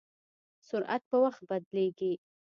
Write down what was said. سرعت په وخت بدلېږي.